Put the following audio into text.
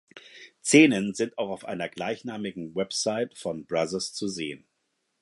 Szenen sind auch auf einer gleichnamigen Website von Brazzers zu sehen.